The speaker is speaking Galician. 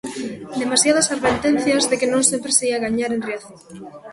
Demasiadas advertencias de que non sempre se ía gañar en Riazor.